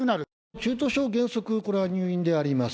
中等症、原則これは入院であります。